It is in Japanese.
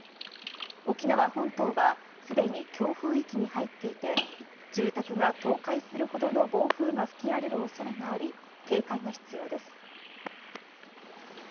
沖縄本島はすでに強風域に入っていて住宅が倒壊するほどの暴風が吹き荒れる恐れがあり警戒が必要です。